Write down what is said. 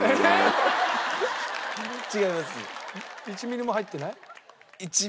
１ミリも入ってない？